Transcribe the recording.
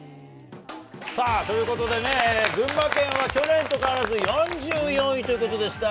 さあ、ということでね、群馬県は去年と変わらず４４位ということでした。